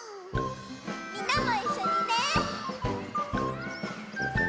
みんなもいっしょにね！